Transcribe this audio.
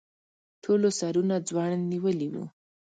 ټولو سرونه ځوړند نیولي وو.